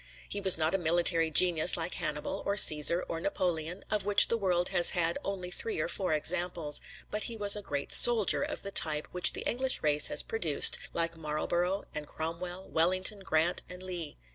He was not a military genius like Hannibal, or Caesar, or Napoleon, of which the world has had only three or four examples. But he was a great soldier of the type which the English race has produced, like Marlborough and Cromwell, Wellington, Grant, and Lee.